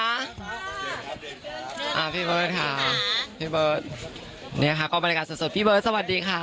อ่าพี่เบิร์ตค่ะพี่เบิร์ตเนี่ยค่ะก็บรรยากาศสดพี่เบิร์ตสวัสดีค่ะ